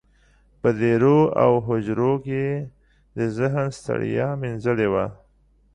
په دېرو او هوجرو کې یې د ذهن ستړیا مینځلې وه.